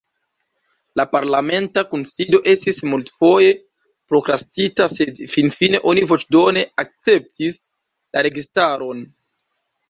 La parlamenta kunsido estis multfoje prokrastita sed finfine oni voĉdone akceptis la registaron.